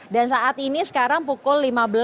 dan saat ini sekarang pukul lima belas